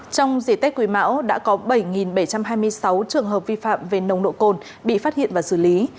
trong dịp tết quý mão đã có bảy bảy trăm hai mươi sáu trường hợp vi phạm về nồng độ cồn bị phát hiện và xử lý